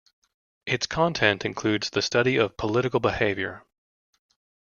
Its content includes the study of political behavior.